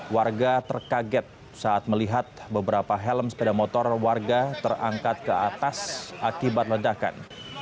warga terkaget saat melihat beberapa helm sepeda motor warga terangkat ke atas akibat ledakan